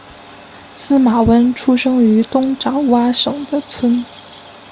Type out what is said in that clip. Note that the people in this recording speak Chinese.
司马温出生于东爪哇省的村。